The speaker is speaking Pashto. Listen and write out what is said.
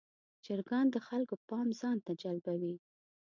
چرګان د خلکو پام ځان ته جلبوي.